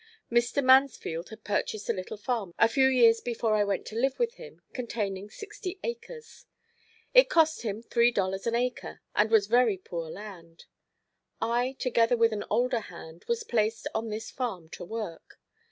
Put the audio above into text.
Mr. Mansfield had purchased a little farm a few years before I went to live with him, containing sixty acres. It cost him three dollars an acre, and was very poor land. I, together with an older hand, was placed on this farm to work.